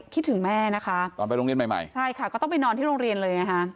คิดถึงแม่นะคะตอนไปโรงเรียนใหม่ใช่ค่ะก็ต้องไปนอนที่โรงเรียนเลยไงฮะ